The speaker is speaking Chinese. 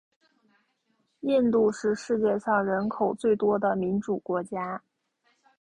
印度是世界上人口最多的民主国家。